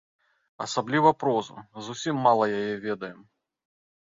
Асабліва прозу, зусім мала яе ведаем.